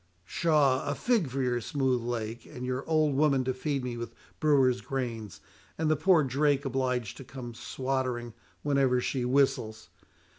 "Pshaw! a fig for your smooth lake, and your old woman to feed me with brewer's grains, and the poor drake obliged to come swattering whenever she whistles!